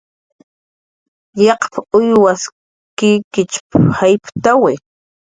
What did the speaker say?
"Yaqp"" uywaq kikichp"" jayptawi"